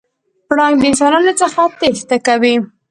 پړانګ د انسانانو څخه تېښته کوي.